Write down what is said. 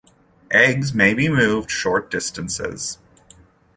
Eggs may be moved short distances.